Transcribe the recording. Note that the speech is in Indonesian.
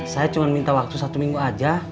saya cuma minta waktu satu minggu aja